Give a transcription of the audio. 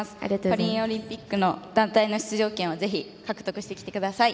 パリオリンピックの団体の出場権をぜひ、獲得してきてください。